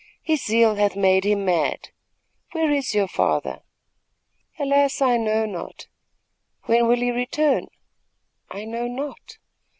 His zeal hath made him mad. Where is your father?" "Alas, I know not." "When will he return?" "I know not."